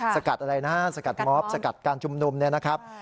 สกัดอะไรนะฮะสกัดมอบสกัดการชุมนุมเนี่ยนะครับ